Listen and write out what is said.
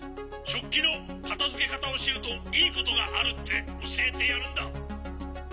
「しょっきのかたづけかたをしるといいことがあるっておしえてやるんだ」。